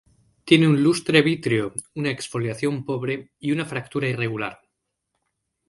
Tiene un lustre vítreo, una exfoliación pobre y una fractura irregular.